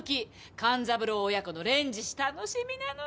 勘三郎親子の『連獅子』楽しみなのよ。